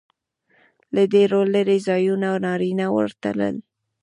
له ډېرو لرې ځایونو نارینه ورتلل.